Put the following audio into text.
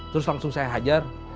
terus langsung saya hajar